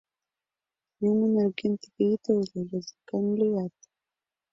Юмо нерген тыге ит ойло, языкан лият.